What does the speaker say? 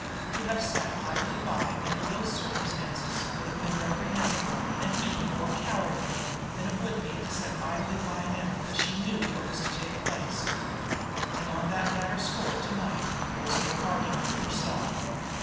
To have sat idly by under those circumstances would have been as reprehensible and even more cowardly than it would be to sit idly by now that she knew what was to take place. And on that latter score to night there was no argument with herself.